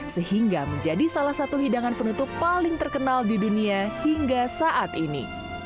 sehingga menjadi salah satu hidangan penutup paling terkenal di dunia hingga saat ini